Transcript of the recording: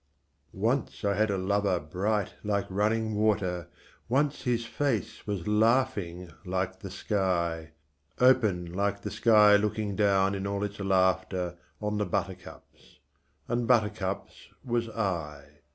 Once I had a lover bright like running water, Once his face was laughing like the sky; Open like the sky looking down in all its laughter On the buttercups and buttercups was I.